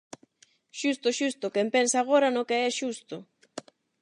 -Xusto, xusto. Quen pensa agora no que é xusto!